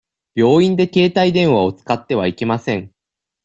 病院で携帯電話を使ってはいけません。